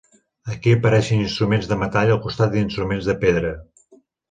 Aquí apareixen instruments de metall al costat d'instruments de pedra.